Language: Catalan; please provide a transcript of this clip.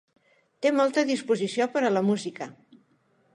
Té molta disposició per a la música.